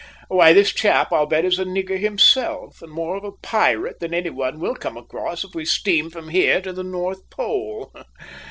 Why, this chap, I'll bet, is a nigger himself, and more of a pirate than any one we'll come across if we steam from here to the North Pole.